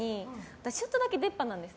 私、ちょっとだけ出っ歯なんです。